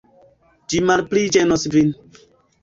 Ĝi malpli ĝenos vin.